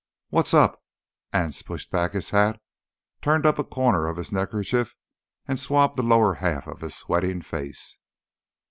"What's up?" Anse pushed back his hat, turned up a corner of his neckerchief, and swabbed the lower half of his sweating face.